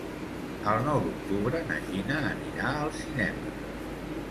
El nou d'octubre na Gina anirà al cinema.